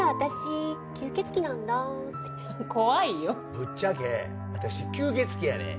「ぶっちゃけ私吸血鬼やねん！」。